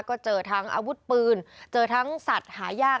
ก็เจอทั้งอาวุธปืนเจอทั้งสัตว์หายาก